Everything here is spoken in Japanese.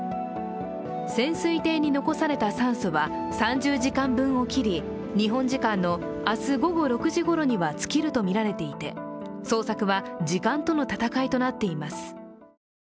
潜水艇に残された酸素は３０時間分を切り、日本時間の明日午後６時ごろには、尽きるとみられていて捜索は時間との闘いとなっています。